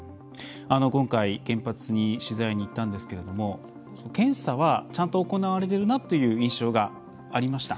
今回、原発に取材に行ったんですけれども検査は、ちゃんと行われてるなという印象がありました。